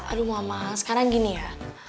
aduh mama sekarang gini ya